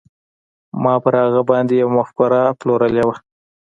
ما پر هغه باندې يوه مفکوره پلورلې وه.